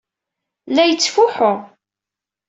La yettfuḥu.